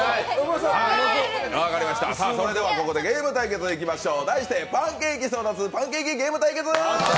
それではここでゲーム対決にいきましょう。